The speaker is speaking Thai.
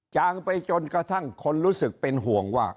จางไปจนกระทั่งคนรู้สึกเป็นห่วงว่า